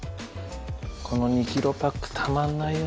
この２キロパックたまんないよね。